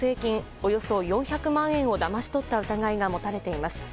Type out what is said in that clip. およそ４００万円をだまし取った疑いが持たれています。